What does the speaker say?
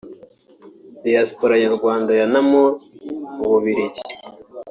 Diaspora Nyarwanda ya Namur mu Bubiligi